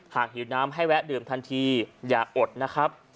หิวน้ำให้แวะดื่มทันทีอย่าอดนะครับ